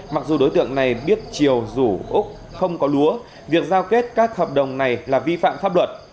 mặc dù đối tượng này biết triều rủ úc không có lúa việc giao kết các hợp đồng này là vi phạm pháp luật